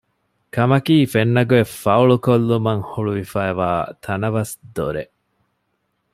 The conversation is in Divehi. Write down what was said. ކަމަކީ ފެންނަ ގޮތް ފައުޅު ކޮށްލުމަށް ހުޅުވިފައިވާ ތަނަވަސް ދޮރެއް